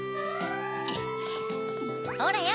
ほらよ。